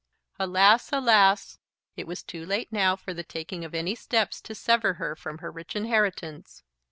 Alas, alas! it was too late now for the taking of any steps to sever her from her rich inheritance!